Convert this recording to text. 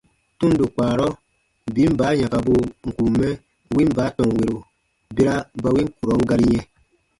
Tundo kpaarɔ, biin baa yãkabuu n kùn mɛ win baa tɔnwero bera ba win kurɔn gari yɛ̃,